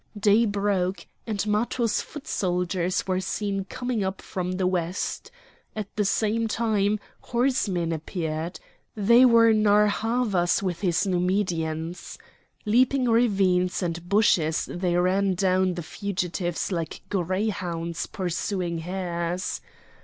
Day broke, and Matho's foot soldiers were seen coming up from the west. At the same time horsemen appeared; they were Narr' Havas with his Numidians. Leaping ravines and bushes they ran down the fugitives like greyhounds pursuing hares.